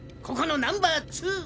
ここのナンバー２。